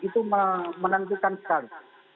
itu menentukan sekali